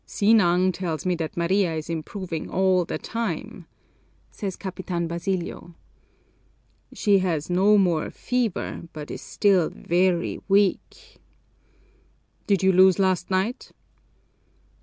"Sinang tells me that Maria is improving all the time," says Capitan Basilio. "She has no more fever but is still very weak." "Did you lose last night?"